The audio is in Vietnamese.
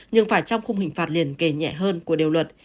nhưng phải trong khung hình phạt liền kề nhẹ hơn của điều luật